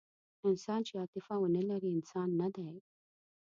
انسان چې عاطفه ونهلري، انسان نهدی.